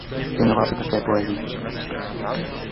Věnoval se také poezii.